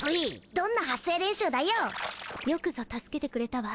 どんな発声練習だよっよくぞ助けてくれたわ